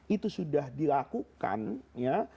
itu sudah dilakukan ya